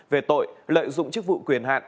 về tội lợi dụng chức vụ quyền hạn